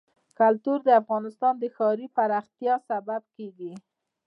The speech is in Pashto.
کلتور د افغانستان د ښاري پراختیا سبب کېږي.